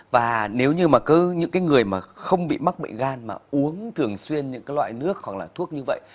và nếu như những người không bị mắc bệ gan mà uống thường xuyên những loại nước hoặc là thuốc như vậy